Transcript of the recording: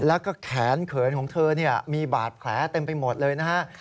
แล้วก็แขนเขินของเธอมีบาดแผลเต็มไปหมดเลยนะฮะ